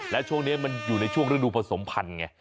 และช่วงนี้มันอยู่ในช่วงฤดูผสมพันธุ์ไง